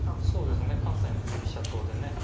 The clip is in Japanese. そうですね関西の振り飛車党でね